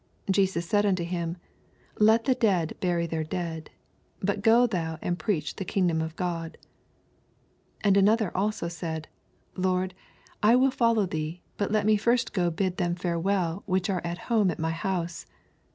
60 Jesus said unto him. Let the dead bury their dead : but go thou and preach the kingdom of God. 61 And anotner also said, Lord, I will follow thee : but let me first go bid them farewell, which are at home at my house.